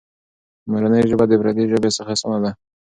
مورنۍ ژبه د پردۍ ژبې څخه اسانه ده.